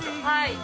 はい。